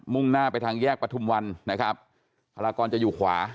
่งหน้าไปทางแยกประทุมวันนะครับพลากรจะอยู่ขวา